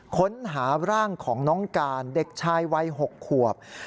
ค้นหาร่างของน้องการเด็กชายวัย๖ขวบ